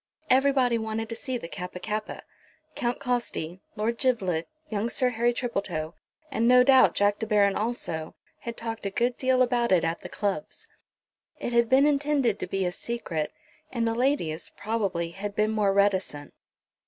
Everybody wanted to see the Kappa kappa. Count Costi, Lord Giblet, young Sir Harry Tripletoe, and, no doubt, Jack De Baron also, had talked a good deal about it at the clubs. It had been intended to be a secret, and the ladies, probably, had been more reticent.